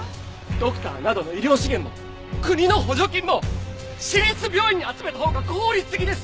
ドクターなどの医療資源も国の補助金も市立病院に集めたほうが効率的です！